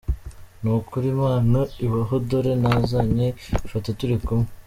Ni ukuri Imana ibaho dore nazanye ifoto turi kumwe.